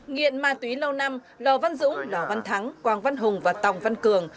nghiện ma túy lâu năm lò văn dũng lò văn thắng quang văn hùng và tòng văn cường